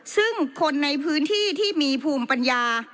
ซึ่งคนในพื้นที่ที่มีภูมิปัญญา